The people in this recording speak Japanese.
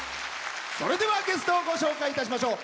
それではゲストをご紹介いたしましょう。